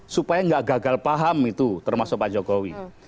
supaya nggak gagal paham itu termasuk pak jokowi